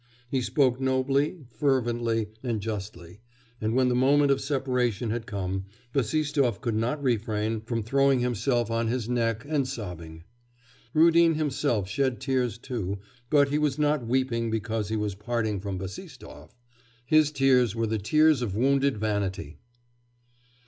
He spoke nobly, fervently, and justly, and when the moment of separation had come, Bassistoff could not refrain from throwing himself on his neck and sobbing. Rudin himself shed tears too, but he was not weeping because he was parting from Bassistoff. His tears were the tears of wounded vanity.